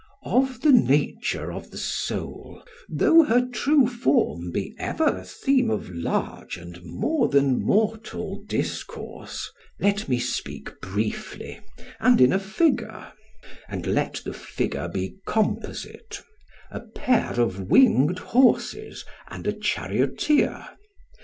"Of the nature of the soul, though her true form be ever a theme of large and more than mortal discourse, let me speak briefly, and in a figure, and let the figure be composite a pair of winged horses and a charioteer.